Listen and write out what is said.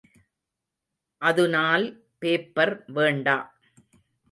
அதுனால் பேப்பர் வேண்டா.